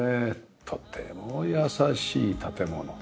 とても優しい建物。